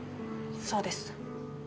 そうです。